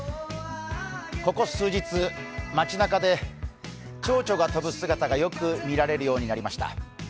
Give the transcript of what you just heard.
ここ数日、町なかでちょうちょが飛ぶ姿がよく見られるようになりました。